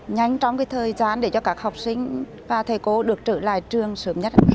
nhanh trong thời gian để cho các học sinh và thầy cô được trở lại trường sớm nhất